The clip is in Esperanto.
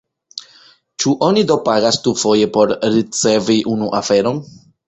Ĉu oni do pagas dufoje por ricevi unu aferon?